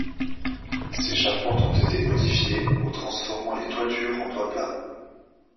Ses charpentes ont été modifiées au transformant les toitures en toits plats.